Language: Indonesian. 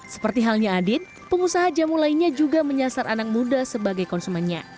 seperti halnya adit pengusaha jamu lainnya juga menyasar anak muda sebagai konsumennya